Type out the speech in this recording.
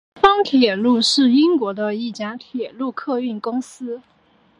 南方铁路是英国的一家铁路客运公司。